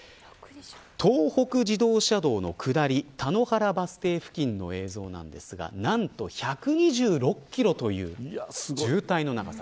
東北自動車道の下り田野原バス停付近の映像なんですが何と１２６キロという渋滞の長さ。